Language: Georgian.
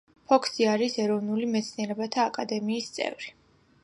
ფოქსი არის ეროვნული მეცნიერებათა აკადემიის წევრი.